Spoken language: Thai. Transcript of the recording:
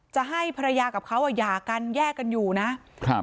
จะให้ภรรยากับเขาอ่ะหย่ากันแยกกันอยู่นะครับ